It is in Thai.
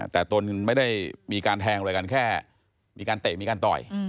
แต่ตนไม่ได้มีการแทงอะไรกันแค่มีการเตะมีการต่อย